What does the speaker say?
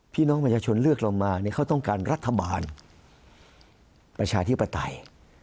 พี่น้องประชาชนเลือกเรามาเขาต้องการรัฐบาลประชาธิปไตย